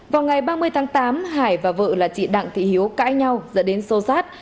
vào ngày ba mươi tháng tám hải và vợ là chị đặng thị hiếu cãi nhau dẫn đến sô sát